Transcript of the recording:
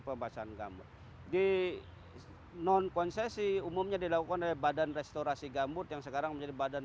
pembacaan gambut di nonkonsesi umumnya dilakukan badan restorasi gambut yang sekarang menjadi badan